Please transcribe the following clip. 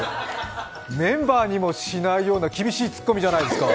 メンバーにもしないような厳しいツッコミじゃないですか。